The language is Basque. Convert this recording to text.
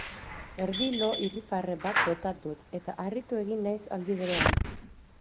Erdi lo irrifarre bat bota dut eta harritu egin naiz aldi berean.